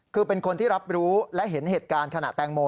คือเป็นคนที่รับรู้และเห็นเหตุการณ์ขณะแตงโม